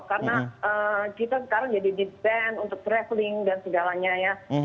karena kita sekarang jadi di ban untuk traveling dan segalanya ya